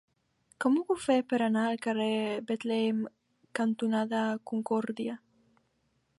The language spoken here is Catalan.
Com ho puc fer per anar al carrer Betlem cantonada Concòrdia?